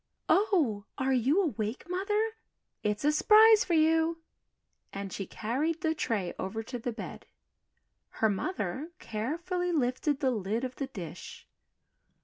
"Oh, are you awake, Mother? It's a s'prise for you," and she carried the tray over to the bed. Her mother carefully lifted the lid of the dish.